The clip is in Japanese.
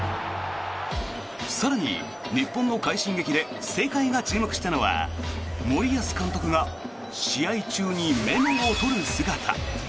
更に、日本の快進撃で世界が注目したのは森保監督が試合中にメモを取る姿。